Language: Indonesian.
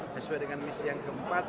sesuai dengan misi yang keempat